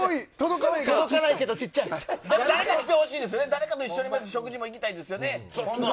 誰かと一緒に食事も行きたいですよね。